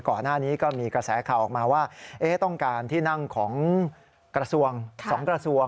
แต่ทางที่ภาพชาต์ไทยพัฒนา